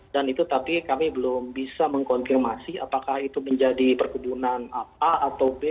dan itu tapi kami belum bisa mengkonfirmasi apakah itu menjadi perkebunan a atau b